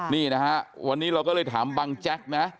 นี่นะฮะวันนี้เราก็เลยถามบังแจ๊กนะ